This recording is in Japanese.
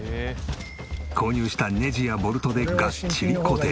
購入したネジやボルトでがっちり固定。